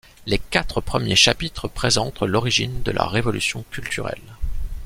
Les quatre premiers chapitres présentent l'origine de la Révolution culturelle.